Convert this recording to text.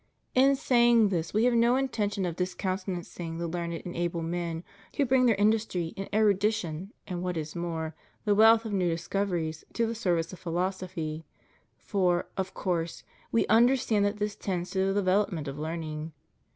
In saying this We have no intention of discountenancing the learned and able men who bring their industry and erudition, and, what is more, the wealth of new discoveries, to the ser vice of philosophy; for, of course. We understand that this tends to the development of learning.